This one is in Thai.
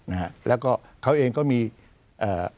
นะฮะแล้วก็เขาเองก็มีเอ่อ